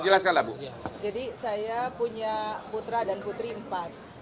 jadi saya punya putra dan putri empat